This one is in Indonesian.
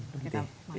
kita masalah ya